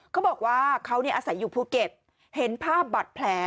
เขาบอกว่าเขาอาศัยอยู่ภูเก็ตเห็นภาพบัตรแผล